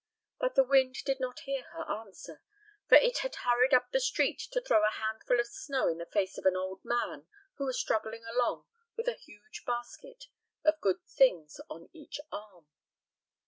But the wind did not hear her answer, for it had hurried up the street to throw a handful of snow in the face of an old man who was struggling along with a huge basket of good things on each arm.